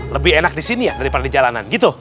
lebih enak disini ya daripada di jalanan gitu